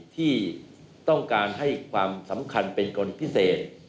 ที่ต้องการให้ความสำคัญเป็นกลพิเศษ